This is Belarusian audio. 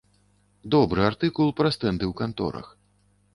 Добры артыкул пра стэнды ў канторах.